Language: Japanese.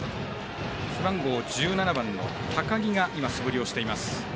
背番号１７番の高木が素振りをしています。